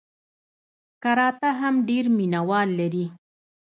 کراته هم ډېر مینه وال لري.